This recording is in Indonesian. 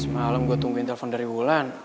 malam gue tungguin telepon dari wulan